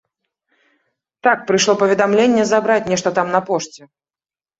Так, прыйшло паведамленне забраць нешта там на пошце.